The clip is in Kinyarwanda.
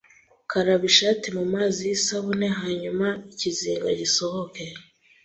Karaba ishati mumazi yisabune hanyuma ikizinga gisohoke